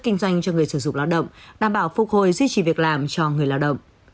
kinh doanh cho người sử dụng lao động đảm bảo phục hồi duy trì việc làm cho người lao động